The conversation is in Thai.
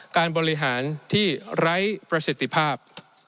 การบริหารที่ไร้ประสิทธิภาพ